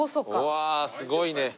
うわあすごいね。